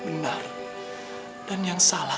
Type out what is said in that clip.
benar dan yang salah